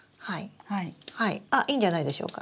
あいいんじゃないでしょうか。